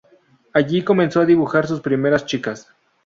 Allí comenzó a dibujar sus primeras Chicas.